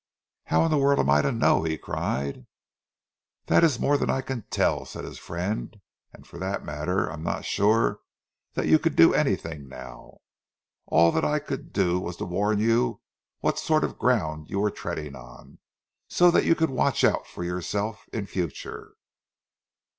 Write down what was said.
"How in the world am I to know?" he cried. "That is more than I can tell," said his friend. "And for that matter, I'm not sure that you could do anything now. All that I could do was to warn you what sort of ground you were treading on, so that you could watch out for yourself in future."